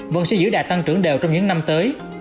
vẫn sẽ giữ đạt tăng trưởng đều trong những năm tới